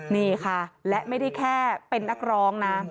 นี่ค่ะและไม่ได้แค่เป็นนักร้องนะ